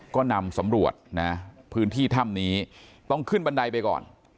ก็นำสำรวจนะพื้นที่ถ้ำนี้ต้องขึ้นบันไดไปก่อน